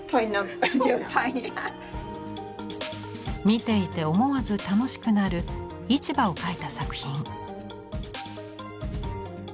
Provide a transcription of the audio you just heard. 見ていて思わず楽しくなる「市場」を描いた作品。